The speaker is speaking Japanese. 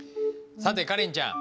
さてカレンちゃん。